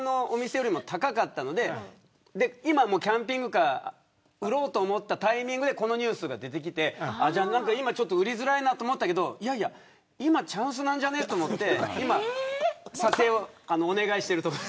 査定額が高かったんで今、キャンピングカーを売ろうと思ったタイミングでこのニュースが出てきて今ちょっと売りづらいなと思ったけどいやいや今がチャンスなんじゃと思って査定をお願いしているところ。